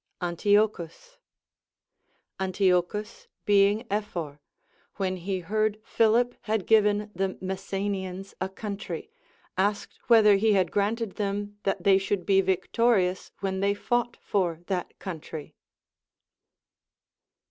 Antiochus. Antiochus being Ephor, when he heard Philip had given the Messenians a country, asked whether 222 THE APOPHTHEGMS OF KINGS ne had granted them that they should be Λ'ictol■ious when they fought for that country.